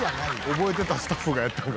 覚えてたスタッフがやったんか。